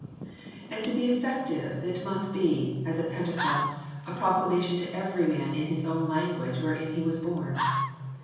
And to be effective it must be, as at Pentecost, a proclamation to every man in his own language wherein he was born.